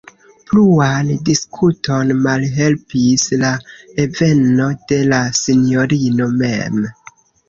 Pluan diskuton malhelpis la enveno de la sinjorino mem.